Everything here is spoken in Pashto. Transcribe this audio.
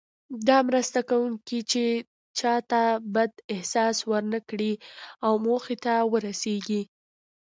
دا مرسته کوي چې چاته بد احساس ورنه کړئ او موخې ته ورسیږئ.